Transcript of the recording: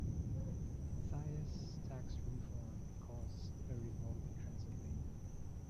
Matthias's tax reform caused a revolt in Transylvania.